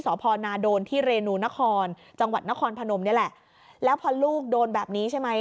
สพนาโดนที่เรนูนครจังหวัดนครพนมนี่แหละแล้วพอลูกโดนแบบนี้ใช่ไหม